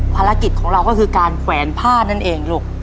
ภารกิจของเราก็คือการแขวนผ้านั่นเองลูก